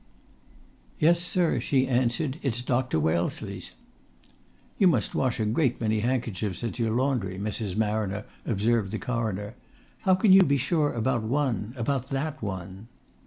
"Yes, sir," she answered. "It's Dr. Wellesley's." "You must wash a great many handkerchiefs at your laundry, Mrs. Marriner," observed the Coroner. "How can you be sure about one about that one?"